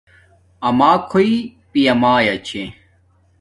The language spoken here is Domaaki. آما کھوݵݵ پیا مایا چھے